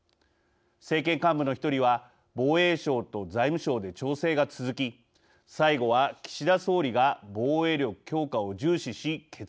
政権幹部の一人は「防衛省と財務省で調整が続き最後は岸田総理が防衛力強化を重視し決断した」と話します。